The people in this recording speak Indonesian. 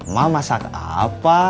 mau masak apa